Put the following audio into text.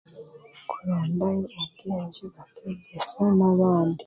Kuronda abaingi bakeegyesa n'abandi